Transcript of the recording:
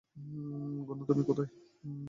গুনা, তুমি কোথায়?